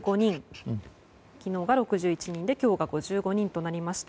昨日が６１人で今日が５５人となりました。